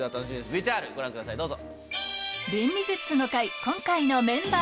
ＶＴＲご覧くださいどうぞ。